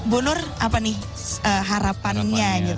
bu nur apa nih harapannya gitu